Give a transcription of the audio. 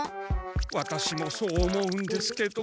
ワタシもそう思うんですけど。